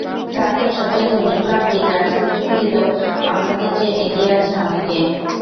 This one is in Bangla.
ফ্রান্সের সবচেয়ে ধনী ক্লাবটি জার্সির চুক্তিতেও অন্যদের চেয়ে এগিয়ে আছে অনেক।